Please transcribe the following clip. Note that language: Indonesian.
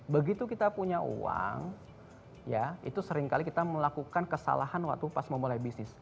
begitu kita punya uang ya itu seringkali kita melakukan kesalahan waktu pas memulai bisnis